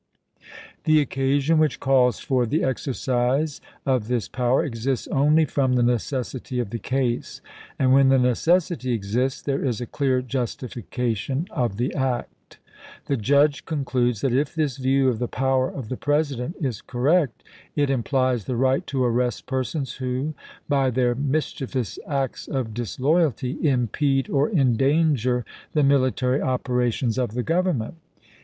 The occasion which calls for the exercise of this power exists only from the necessity of the case ; and when the necessity exists there is a clear justification of the act. The judge concludes that if this view of the power of the President is correct, it implies the right to arrest persons who, by their mischievous acts of disloy alty, impede or endanger the military operations of the Government.